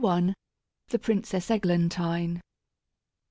THE PRINCESS EGLANTINE.